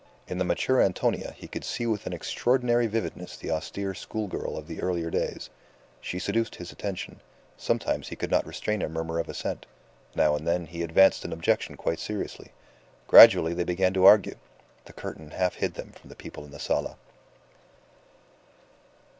In the mature Antonia he could see with an extraordinary vividness the austere schoolgirl of the earlier days. She seduced his attention; sometimes he could not restrain a murmur of assent; now and then he advanced an objection quite seriously. Gradually they began to argue; the curtain half hid them from the people in the sala.